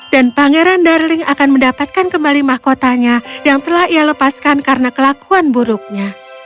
dan pangeran darling akan mendapatkan kembali mahkotanya yang telah ia lepaskan karena kelakuan buruknya